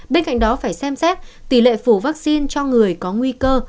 bên cạnh đó phải xem xét tỷ lệ phủ vaccine cho người có nguy cơ